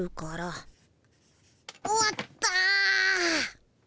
終わった！